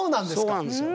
そうなんですよ。